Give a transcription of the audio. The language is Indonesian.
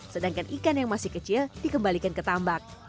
sedangkan ikan yang masih kecil dikembalikan ke tambak